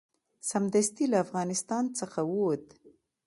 سمدستي له افغانستان څخه ووت.